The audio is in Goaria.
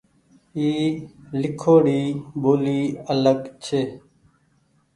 اي ليکوڙي ٻولي آلگ ڇي۔